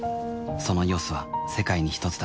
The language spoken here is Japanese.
その「ＥＯＳ」は世界にひとつだ